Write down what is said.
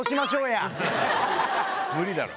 無理だろ！